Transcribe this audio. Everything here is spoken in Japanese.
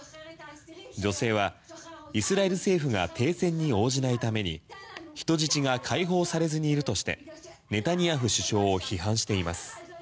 女性はイスラエル政府が停戦に応じないために人質が解放されずにいるとしてネタニヤフ首相を批判しています。